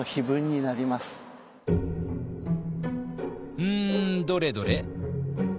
うんどれどれ？